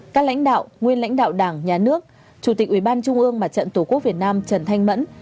các lãnh đạo nguyên lãnh đạo đảng nhà nước chủ tịch ủy ban trung ương mặt trận tổ quốc việt nam trần thanh mẫn